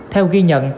theo ghi nhận